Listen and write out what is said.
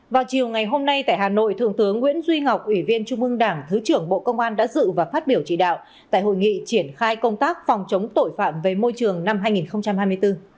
vào chiều ngày hôm nay tại hà nội thượng tướng nguyễn duy ngọc ủy viên trung ương đảng thứ trưởng bộ công an đã dự và phát biểu chỉ đạo tại hội nghị triển khai công tác phòng chống tội phạm về môi trường năm hai nghìn hai mươi bốn